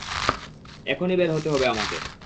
এখনই বের হতে হবে আমাদের।